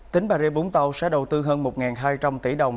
tỉnh bà rịa vũng tàu sẽ đầu tư hơn một hai trăm linh tỷ đồng